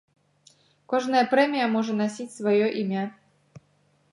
Кожная прэмія можа насіць сваё імя.